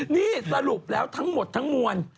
นี่สรุปแล้วทั้งหมดทั้งมวล